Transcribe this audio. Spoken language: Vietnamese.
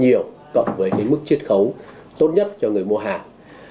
nhiều cộng với cái mức chiết khấu tốt nhất cho người mua hàng